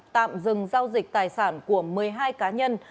tạm dừng giao dịch tài sản của một mươi hai cá nhân